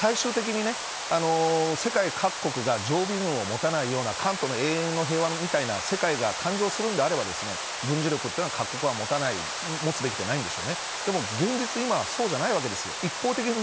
もちろん最終的に世界各国が常備軍を持たないようなカントの永遠の平和みたいな世界が誕生するのであれば軍事力は各国を持たない持つべきではないです。